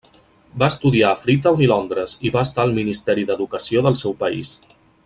Va estudiar a Freetown i Londres i va estar al ministeri d'educació del seu país.